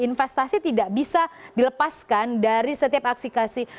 investasi tidak bisa dilepaskan dari setiap aksi